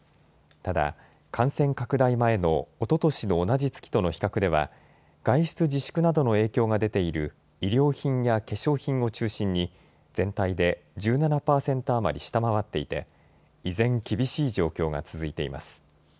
ただ、感染拡大前のおととしの同じ月との比較では、外出自粛などの影響が出ている衣料品や化粧品を中心に、全体で１７％余り下回っていて、依然、厳しい状況が続いています。